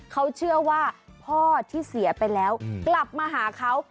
เขาเชื่อว่าพ่อที่เสียไปแล้วกลับมาหาเขา